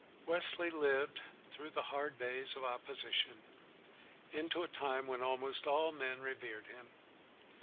Wesley lived through the hard days of opposition into a time when almost all men revered him.